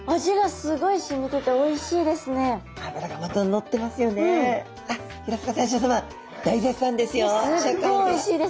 すごいおいしいです。